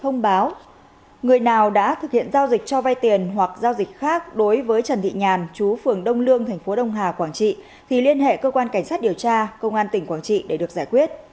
người nào đã thực hiện giao dịch cho vai tiền hoặc giao dịch khác đối với trần thị nhàn chú phường đông lương tp đông hà quảng trị thì liên hệ cơ quan cảnh sát điều tra công an tỉnh quảng trị để được giải quyết